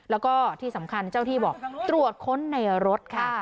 แล้วก็ที่สำคัญเจ้าที่บอกตรวจค้นในรถค่ะ